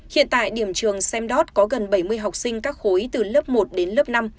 hiện tại điểm trường samdet có gần bảy mươi học sinh các khối từ lớp một đến lớp năm